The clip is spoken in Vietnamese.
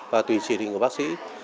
và tùy chỉ định của bác sĩ